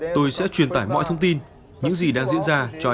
tôi sẽ truyền tải mọi thông tin những gì đang diễn ra cho anh ấy